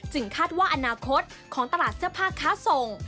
คาดว่าอนาคตของตลาดเสื้อผ้าค้าส่ง